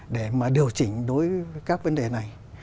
để mà điều chỉnh đối với các vấn đề này